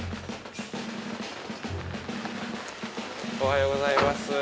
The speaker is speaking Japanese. ・おはようございます。